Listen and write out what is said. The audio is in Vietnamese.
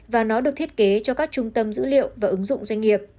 và nó được thiết kế cho các trung tâm dữ liệu và ứng dụng